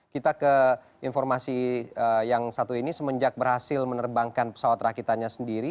kita ke informasi yang satu ini semenjak berhasil menerbangkan pesawat rakitannya sendiri